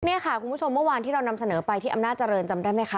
นี่ค่ะคุณผู้ชมเมื่อวานที่เรานำเสนอไปที่อำนาจเจริญจำได้ไหมคะ